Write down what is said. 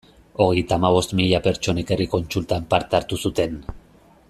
Hogeita hamabost mila pertsonek herri kontsultan parte hartu zuten.